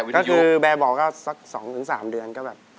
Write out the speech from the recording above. ก็คือแบร์บอกก็สัก๒๓เดือนก็แบบ